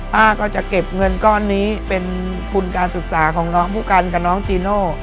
ป้าก็จะเก็บเงินก้อนนี้เป็นทุนการศึกษาของน้องผู้กันกับน้องจีโน่